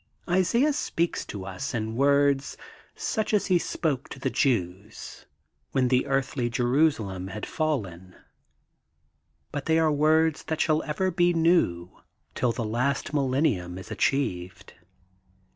Isaiah speaks to us in words, such as he spoke to the Jews, when the earthly Jeru salem had fallen, but they are words that shall ever be new till the last millennium is achieved.